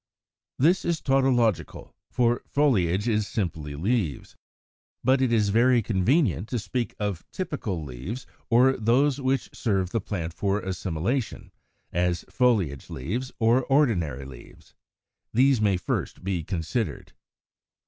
121. This is tautological; for foliage is simply leaves: but it is very convenient to speak of typical leaves, or those which serve the plant for assimilation, as foliage leaves, or ordinary leaves. These may first be considered.